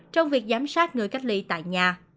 trong việc giám sát người cách ly tại nhà